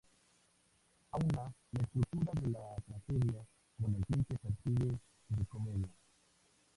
Aúna la estructura de la tragedia con el fin que persigue de comedia.